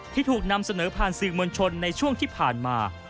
ที่ถูกนำเสนอผ่านสื่อมวลชนในช่วงที่ผ่านมา